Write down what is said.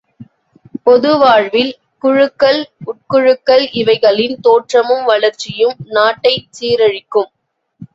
பொது வாழ்வில் குழுக்கள், உட்குழுக்கள் இவைகளின் தோற்றமும் வளர்ச்சியும் நாட்டைச் சீரழிக்கும்.